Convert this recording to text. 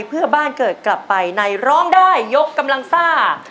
เพื่อบ้านเกิดกลับไปในร้องได้ยกกำลังซ่า